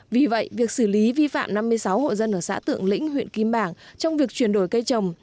vì vậy việc xử lý vi phạm năm mươi sáu hộ dân ở xã thượng lĩnh huyện kim bảng trong việc chuyển đổi cây trồng